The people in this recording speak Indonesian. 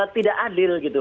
tidak adil gitu